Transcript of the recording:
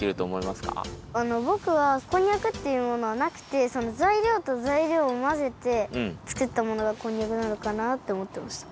ぼくはこんにゃくっていうものはなくてざいりょうとざいりょうをまぜてつくったものがこんにゃくなのかなっておもってました。